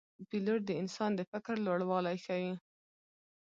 پیلوټ د انسان د فکر لوړوالی ښيي.